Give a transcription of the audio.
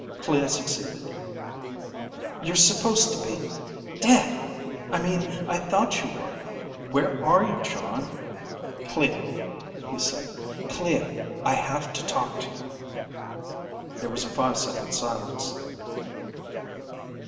Clea succeeded. "You're supposed to be ... dead. I mean I thought you were. Where are you, Jon?" "Clea," he said. "Clea I have to talk to you." There was a five second silence.